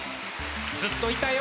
ずっといたよ